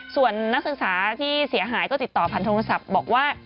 ส่วนนักศึกษาที่เสียหายก็ติดต่อผ่านโทรศัพท์บอกว่า